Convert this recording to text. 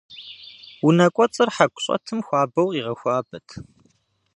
Унэкӏуэцӏыр хьэку щӏэтым хуабэу къигъэхуабэт.